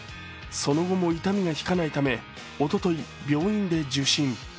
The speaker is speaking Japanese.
その後も痛みが引かないためおととい、病院で受診。